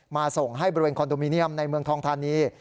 ส่งให้บริเวณคอนโดมิเนียมในเมืองทองทานี